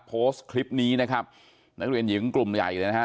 โพสต์คลิปนี้นะครับนักเรียนหญิงกลุ่มใหญ่เลยนะฮะ